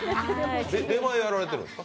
出前、やられてるんですか？